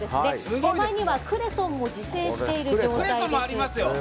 手前にはクレソンも自生している状態です。